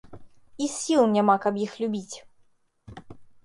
І сіл няма, каб іх любіць.